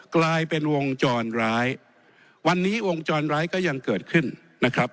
กลายเป็นวงจรร้ายวันนี้วงจรร้ายก็ยังเกิดขึ้นนะครับ